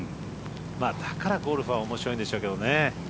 だからゴルフは面白いんでしょうけどね。